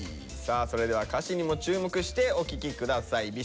さあそれでは歌詞にも注目してお聴き下さい。